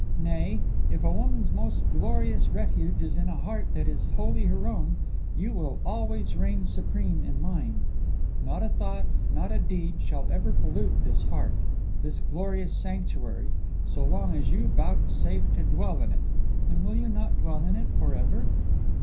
Nay, if a woman's most glorious refuge is in a heart that is wholly her own, you will always reign supreme in mine. Not a thought, not a deed, shall ever pollute this heart, this glorious sanctuary, so long as you vouchsafe to dwell in it and will you not dwell in it for ever?